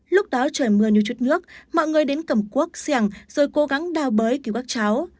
lúc đó trời mưa như chút nước mọi người đến cầm cuốc sẻng rồi cố gắng đào bới cứu các cháu